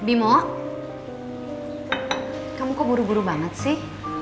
bimo kamu kok buru buru banget sih